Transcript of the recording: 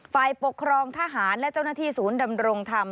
ฝ่ายปกครองทหารและเจ้าหน้าที่ศูนย์ดำรงธรรม